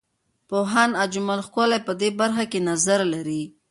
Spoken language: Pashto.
پوهاند اجمل ښکلی په دې برخه کې نظر لري.